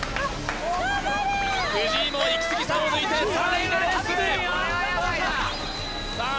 藤井もイキスギさんを抜いてこれはやばいなさあ